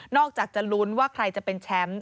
อกจากจะลุ้นว่าใครจะเป็นแชมป์